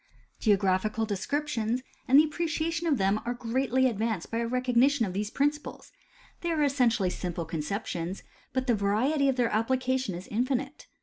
Geographical descriptions and the appreciation of them are greatly advanced by a recognition of these principles; they are essentially simple conceptions, but the variety of their ap plication is infinite.